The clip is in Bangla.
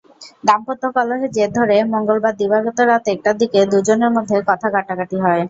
দাম্পত্য কলহের জের ধরে মঙ্গলবার দিবাগত রাত একটার দিকে দুজনের মধ্যে কথা-কাটাকাটি হয়।